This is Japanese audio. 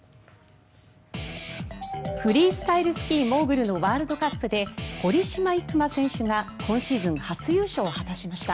フリースタイルスキーモーグルのワールドカップで堀島行真選手が今シーズン初優勝を果たしました。